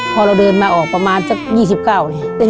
พอเราเดินมาออกประมาณสัก๒๙เลย